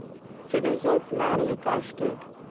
چې د زوی پلا یې کاشکي،